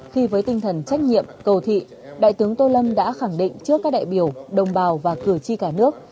khi với tinh thần trách nhiệm cầu thị đại tướng tô lâm đã khẳng định trước các đại biểu đồng bào và cử tri cả nước